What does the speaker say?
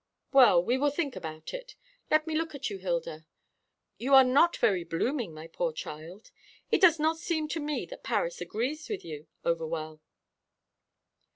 "Well, we will think about it. Let me look at you, Hilda. You are not very blooming, my poor child. It does not seem to me that Paris agrees with you over well."